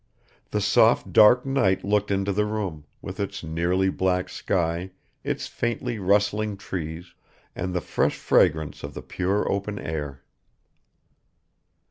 The soft dark night looked into the room, with its nearly black sky, its faintly rustling trees, and the fresh fragrance of the pure open air.